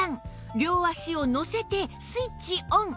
両足をのせてスイッチオン